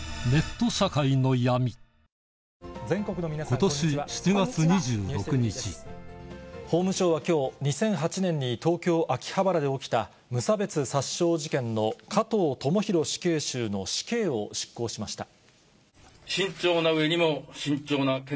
今年７月２６日法務省は今日２００８年に東京・秋葉原で起きた無差別殺傷事件の加藤智大死刑囚の死刑を執行しました。